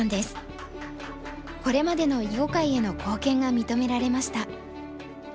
これまでの囲碁界への貢献が認められました。